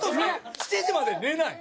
７時まで寝ない？